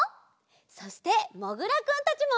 そしてもぐらくんたちも。